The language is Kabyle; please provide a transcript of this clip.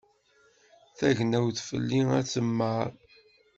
Tagnawt fell-i ad temmar.